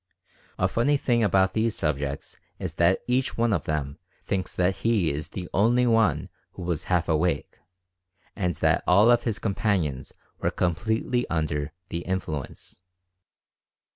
A funny thing about these subjects is that each one of them thinks that he is the only one who was "half awake," and that all of his companions were "completely under" the influence.